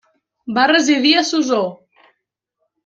Va residir a Suzhou.